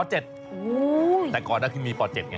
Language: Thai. โหวแต่ก่อนน่าจะมีป๗ไง